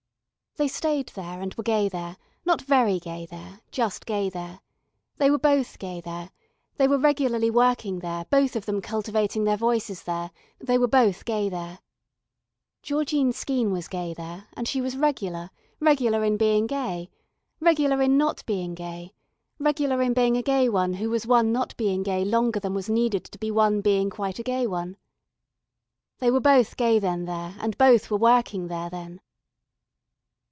They stayed there and were gay there, not very gay there, just gay there. They were both gay there, they were regularly working there both of them cultivating their voices there, they were both gay there. Georgine Skeene was gay there and she was regular, regular in being gay, regular in not being gay, regular in being a gay one who was one not being gay longer than was needed to be one being quite a gay one. They were both gay then there and both working there then.